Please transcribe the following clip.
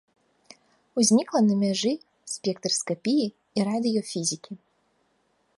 Узнікла на мяжы спектраскапіі і радыёфізікі.